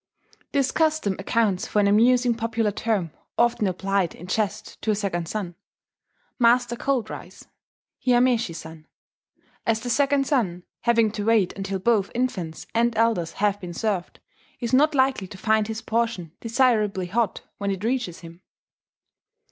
This custom accounts for an amusing popular term often applied in jest to a second son, "Master Cold Rice" (Hiameshi San); as the second son, having to wait until both infants and elders have been served, is not likely to find his portion desirably hot when it reaches him